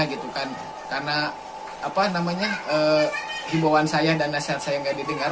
jadi apa namanya hibauan saya dan nasihat saya yang tidak didengar